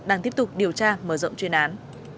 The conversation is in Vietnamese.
đang tiếp tục điều tra mở rộng chuyên án